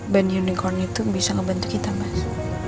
ben unicorn itu bisa ngebantu kita mas